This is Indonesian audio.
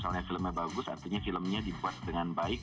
kalau filmnya bagus artinya filmnya dibuat dengan baik